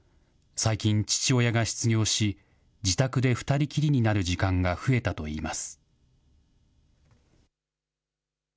最近、父親が失業し、自宅で２人きりになる時間が増えたといいます。